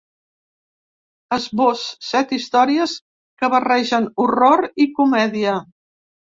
Esbós: Set històries que barregen horror i comèdia.